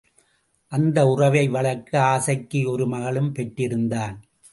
அந்த உறவை வளர்க்க ஆசைக்கு ஒரு மகளும் பெற்றிருந்தான்.